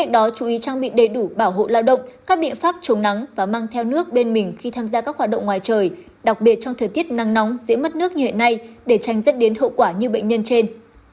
đặc biệt trong thời tiết nắng nóng dễ mất nước như hệ này để tránh dẫn đến hậu quả như bệnh nhân trên